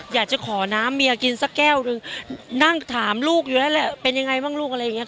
อยากจะขอน้ำเมียกินสักแก้วหนึ่งนั่งถามลูกอยู่แล้วแหละเป็นยังไงบ้างลูกอะไรอย่างเงี้